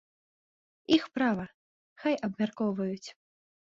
Іх права, хай абмяркоўваюць.